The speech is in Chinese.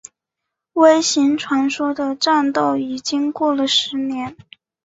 微型传说的战斗已经过了十年。